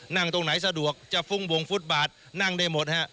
นั่งตรงไหนสะดวกจะฟุ้งวงฟุตบาทนั่งได้หมดฮะ